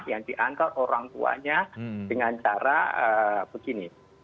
yang diantar orang tuanya dengan cara begini